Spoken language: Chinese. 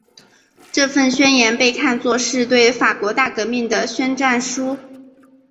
这份宣言被看作是对法国大革命的宣战书。